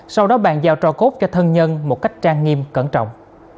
sau đó bàn giao cho cốt cho thân nhân một cách trang nghiêm cẩn trọng